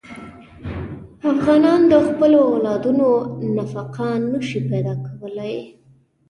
افغانان د خپلو اولادونو نفقه نه شي پیدا کولی.